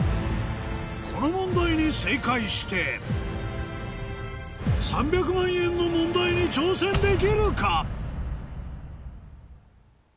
この問題に正解して３００万円の問題に挑戦できるか？